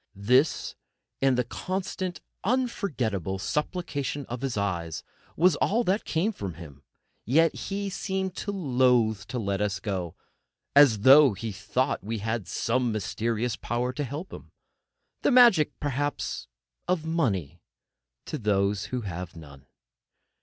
This, and the constant, unforgettable supplication of his eyes, was all that came from him; yet he seemed loath to let us go, as though he thought we had some mysterious power to help him—the magic, perhaps, of money, to those who have none.